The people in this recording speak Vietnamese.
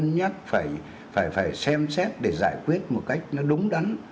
nhắc phải xem xét để giải quyết một cách nó đúng đắn